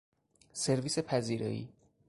سرویس پذیرایی